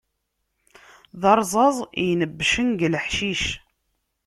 D arẓaz inebbcen deg leḥcic.